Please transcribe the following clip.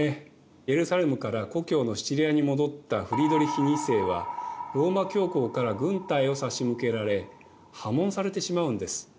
エルサレムから故郷のシチリアに戻ったフリードリヒ２世はローマ教皇から軍隊を差し向けられ破門されてしまうんです。